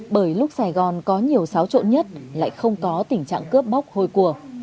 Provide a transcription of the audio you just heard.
bởi lúc sài gòn có nhiều xáo trộn nhất lại không có tình trạng cướp bóc hôi cùa